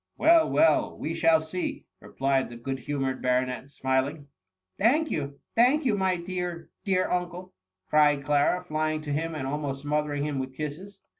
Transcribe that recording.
" Well, well, we shall see," replied the good humoured baronet, smiling. *^ Thank you, thank you, my dear, dear un cle !" cried Clara, flying to him, and almost smo thering him with kisses.